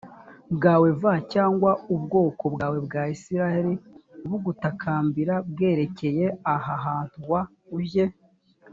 wawe v cyangwa ubwoko bwawe bwa isirayeli bugutakambira bwerekeye aha hantu w ujye